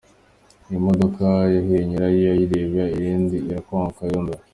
Iyi modoka yahiye nyirayo ayireba irinda ikongoka yumiwe.